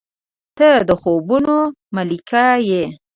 • ته د خوبونو ملکې یې.